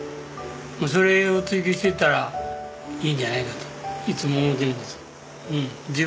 もうそれを追求していったらいいんじゃないかといつも思ってるんです。